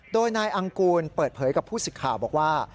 โดยนายอังกูลเปิดเผยกับผู้สิทธิ์ข่าวบอกว่า